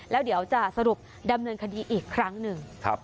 แล้วเดี๋ยวจะสรุปดำเนินคดีอีกครั้งหนึ่ง